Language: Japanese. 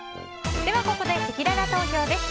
ここで、せきらら投票です。